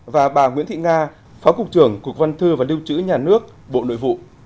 và bà nguyễn thị nga phó cục trưởng cục văn thư và điêu chữ nhà nước bộ nội vụ